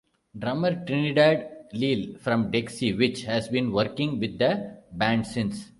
Drummer Trinidad Leal from Dixie Witch has been working with the band since.